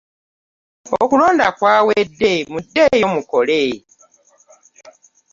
Okulonda kwawedde. Muddeyo mukole